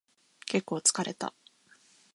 結構疲れた